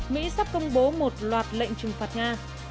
mỹ sắp công bố một loạt lệnh trừng phạt nga